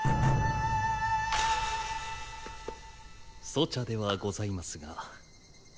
粗茶ではございますが。